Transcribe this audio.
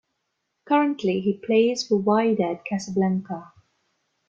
Currently he plays for Wydad Casablanca.